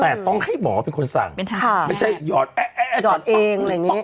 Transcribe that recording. แต่ต้องให้หมอเป็นคนสั่งไม่ใช่หยอดแอ๊ะหอดเองอะไรอย่างนี้